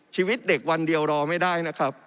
ชีวิตเด็กวันเดียวรอไม่ได้นะครับ